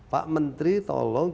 pak menteri tolong